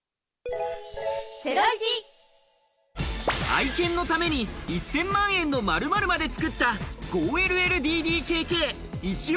愛犬のために１０００万円の○○まで作った５ＬＬＤＤＫＫ。